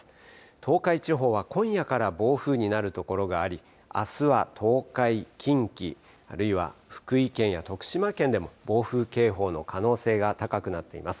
東海地方は今夜から暴風になるところがあり、あすは東海、近畿、あるいは福井県や徳島県でも暴風警報の可能性が高くなっています。